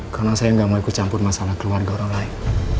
karena saya gak mau ikut campur masalah keluarga orang lain